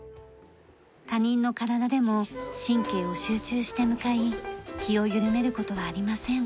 他人の体でも神経を集中して向かい気を緩める事はありません。